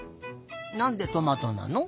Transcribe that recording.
なんでトマトなの？